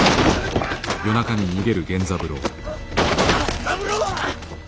源三郎！